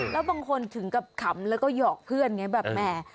แล้วบางคนถึงกับขำแล้วก็หยอกเพื่อนไงแบบแหม